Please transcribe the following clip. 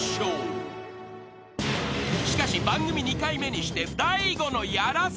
［しかし番組２回目にして］